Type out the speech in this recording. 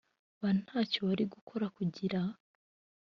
ba nta cyo wari gukora kugira